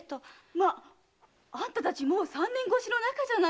まああんたたちもう三年越しの仲じゃないの。